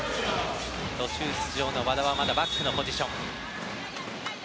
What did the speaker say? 途中出場の和田はまだバックのポジション。